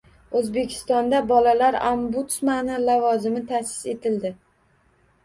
O‘zbekistonda bolalar ombudsmani lavozimi ta’sis etildi